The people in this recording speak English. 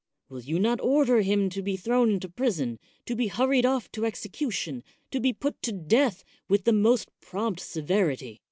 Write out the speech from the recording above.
Will you not order him to be thrown into prison, to be hurried off to execution, to be put to death with the most prompt severity